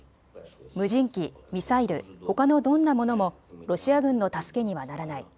無人機、ミサイル、ほかのどんなものもロシア軍の助けにはならない。